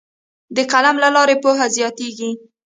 د قلم له لارې پوهه زیاتیږي.